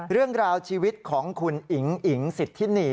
เรื่องราวชีวิตของคุณอิ๋งอิ๋งสิทธินี